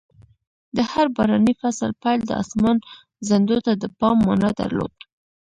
د هر باراني فصل پیل د اسمان ځنډو ته د پام مانا درلود.